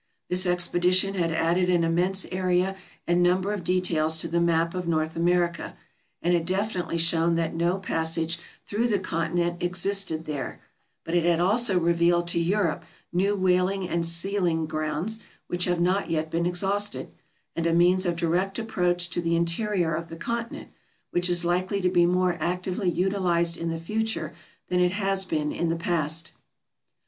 This expedition had added an immense area and number of details to the map of North America, and had definitely shown that no passage through the continent existed there; but it had also revealed to Europe new whaling and sealing grounds which have not yet been exhausted, and a means of direct approach to the interior of the continent which is likely to be more actively utilized in the future than it has been in the past.